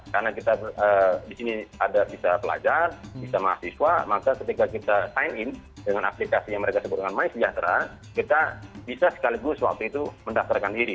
karena kita di sini bisa belajar bisa mahasiswa maka ketika kita sign in dengan aplikasi yang mereka sebutkan my sejahtera kita bisa sekaligus waktu itu mendaftarkan diri